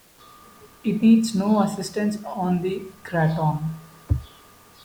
It needs no assistance on the craton.